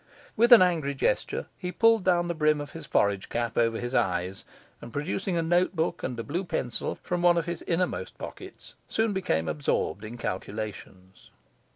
With an angry gesture, he pulled down the brim of the forage cap over his eyes, and, producing a notebook and a blue pencil from one of his innermost pockets, soon became absorbed in calculations.